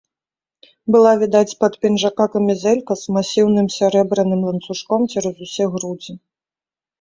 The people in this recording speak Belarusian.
Была відаць з-пад пінжака камізэлька з масіўным сярэбраным ланцужком цераз усе грудзі.